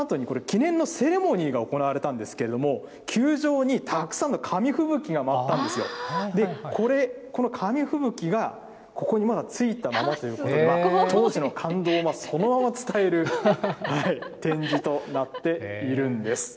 これね、何かというと、優勝のあとに記念のセレモニーが行われたんですけれども、球場にたくさんの紙吹雪が舞ったんですよ、これ、この紙吹雪がここにまだついたままということで、当時の感動をそのまま伝える展示となっているんです。